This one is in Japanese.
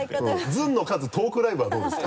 「ずんのかずトークライブ」はどうですか？